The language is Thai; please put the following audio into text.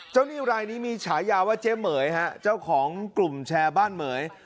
หนี้รายนี้มีฉายาว่าเจ๊เหม๋ยฮะเจ้าของกลุ่มแชร์บ้านเหม๋ย